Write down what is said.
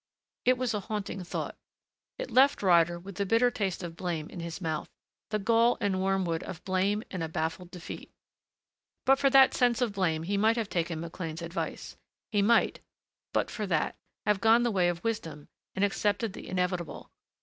It was a haunting thought. It left Ryder with the bitter taste of blame in his mouth, the gall and wormwood of blame and a baffled defeat. But for that sense of blame he might have taken McLean's advice. He might but for that have gone the way of wisdom, and accepted the inevitable.